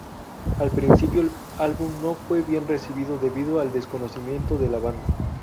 Al principio el álbum no fue bien recibido debido al desconocimiento de la banda.